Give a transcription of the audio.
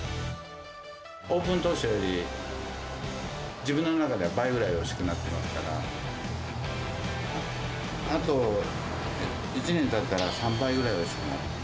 オープン当初より、自分の中では倍ぐらいはおいしくなってますから、あと１年たったら３倍ぐらいおいしくなる。